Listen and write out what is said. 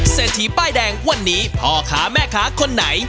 เศรษฐีป้ายแดงวันนี้พ่อค้าแม่ค้าคนไหน